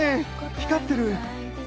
光ってる！